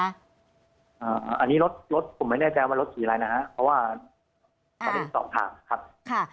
อันนี้รถผมไม่แน่ใจว่ามันรถสี่รายนะครับเพราะว่าอันนี้สองทางครับ